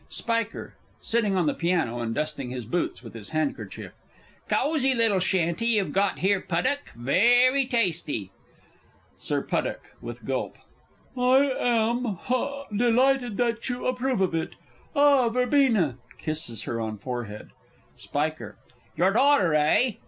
_ Spiker (sitting on the piano, and dusting his boots with his handkerchief). Cosy little shanty you've got here, Puddock very tasty! Sir P. (with a gulp). I am ha delighted that you approve of it! Ah, Verbena! [Kisses her on forehead. Spiker. Your daughter, eh?